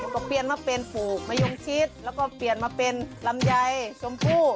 ก็เปลี่ยนมาเป็นปลูกมะยงชิดแล้วก็เปลี่ยนมาเป็นลำไยชมพู่